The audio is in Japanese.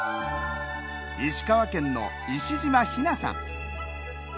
石川県の石島陽菜さん。